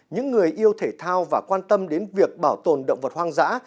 những người yêu thể thao và quan tâm đến việc bảo tồn động vật hoang dã